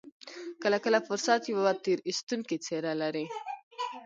کله کله فرصت يوه تېر ايستونکې څېره لري.